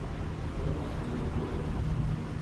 Он махнул рукой.